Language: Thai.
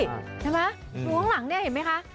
ดูข้างหลังเนี่ยเห็นมั้ยคะ